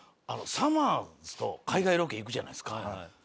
さまぁずと海外ロケ行くじゃないですか。